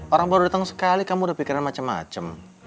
orang baru dateng sekali kamu udah pikirin macem macem